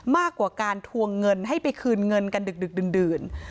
มากกว่าการทวงเงินให้ไปคืนเงินกันดึกดื่น